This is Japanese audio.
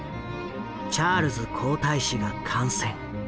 チャールズ皇太子が感染。